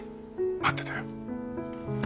待ってたよ。